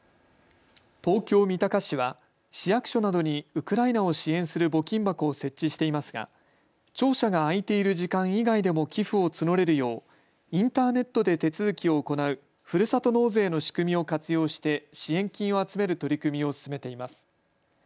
東京三鷹市は市役所などにウクライナを支援する募金箱を設置していますが庁舎が開いている時間以外でも寄付を募れるようインターネットで手続きを行うふるさと納税の仕組みを活用して支援金を集める取り組みを進めています。